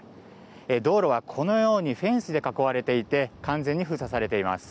道路はこのようにフェンスで囲われていて完全に封鎖されています。